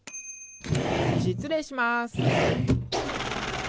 失礼します！